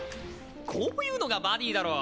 こういうのがバディだろ！